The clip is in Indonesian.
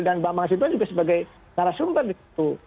dan bang masinton juga sebagai narasumber di situ